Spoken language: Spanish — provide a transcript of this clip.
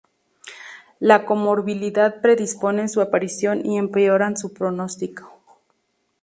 La comorbilidad predisponen su aparición y empeoran su pronóstico.